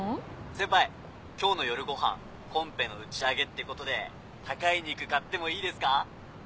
先輩今日の夜ご飯コンペの打ち上げってことで高い肉買ってもいいですか？